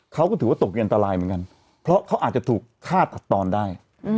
เขาก็ถือว่าตกเย็นอันตรายเหมือนกันเพราะเขาอาจจะถูกฆ่าตัดตอนได้